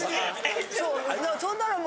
そんなら。